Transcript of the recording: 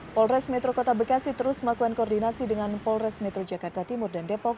polres metro kota bekasi terus melakukan koordinasi dengan polres metro jakarta timur dan depok